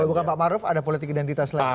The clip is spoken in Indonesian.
kalau bukan pak ma'ruf ada politik identitas